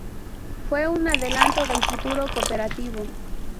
Fue un adelantado del futuro cooperativo.